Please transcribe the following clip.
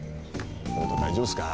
⁉大丈夫ですか？